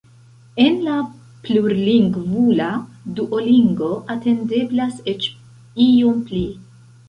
En la plurlingvula Duolingo atendeblas eĉ iom pli.